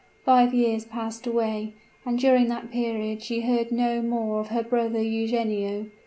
Five years passed away, and during that period she heard no more of her brother Eugenio.